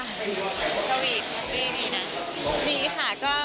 สวีทดีนะ